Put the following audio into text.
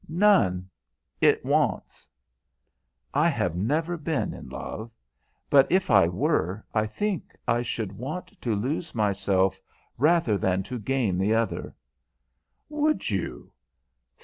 "None. It wants." "I have never been in love. But, if I were, I think I should want to lose myself rather than to gain the other." "Would you?